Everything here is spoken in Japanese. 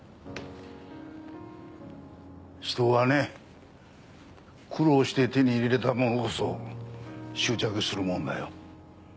人はね苦労して手に入れたものこそ執着するもんだよ。